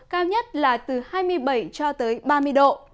cao nhất là từ hai mươi bảy cho tới ba mươi độ